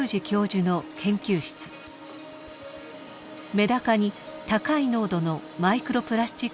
メダカに高い濃度のマイクロプラスチックを与え